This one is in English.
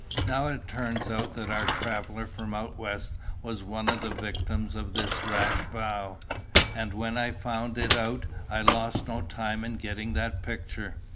Now it turns out that our traveller from out west was one of the victims of this rash vow, and when I found it out I lost no time in getting that picture.